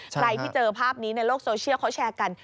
ใครที่เจอภาพนี้ในโลกโซเชียลเขาแชร์กัน